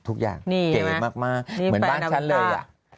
ทุกอย่างเก๋มากเหมือนบ้านฉันเลย